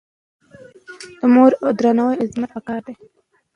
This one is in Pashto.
د مور درناوی او خدمت پکار دی.